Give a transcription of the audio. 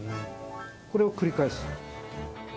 これを繰り返す。